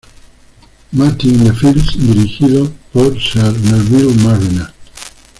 Martin in the Fields", dirigidos por Sir Neville Marriner.